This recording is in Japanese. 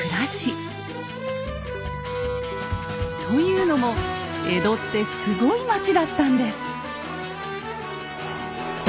というのも江戸ってすごい町だったんです。